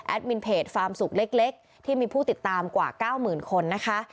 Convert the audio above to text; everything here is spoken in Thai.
แอดมินเพจฟาร์มสุกเล็กเล็กที่มีผู้ติดตามกว่าเก้ามื่นคนนะคะ